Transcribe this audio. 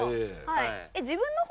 はい。